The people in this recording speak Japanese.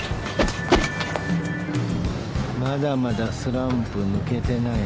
まだまだスランプ抜けてないな。